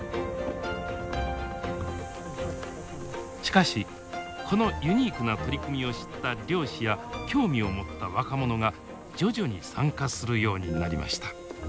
しかしこのユニークな取り組みを知った漁師や興味を持った若者が徐々に参加するようになりました。